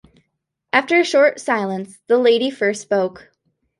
After a short silence, the lady first spoke.